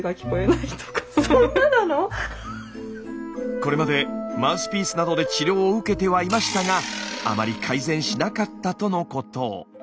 これまでマウスピースなどで治療を受けてはいましたがあまり改善しなかったとのこと。